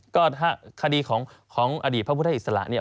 ก็ถ้าคดีของอดีตพระพุทธอิสระเนี่ย